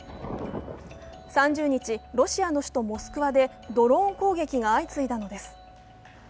３０日、ロシアの首都モスクワでドローン攻撃が相次いだのです。